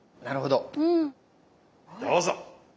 どうぞ。